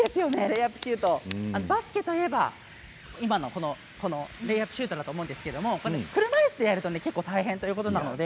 バスケといえば今の、レイアップシュートだと思うんですけれども車いすでやると結構、大変ということなので。